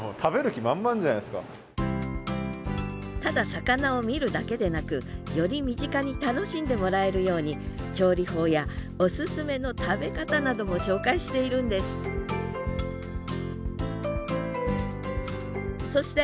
ただ魚を見るだけでなくより身近に楽しんでもらえるように調理法やオススメの食べ方なども紹介しているんですそして